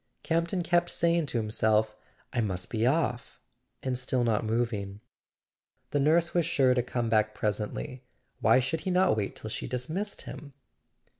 Camp ton kept saying to himself: "I must be off," and still not moving. The nurse was sure to come back presently—why should he not wait till she dismissed him?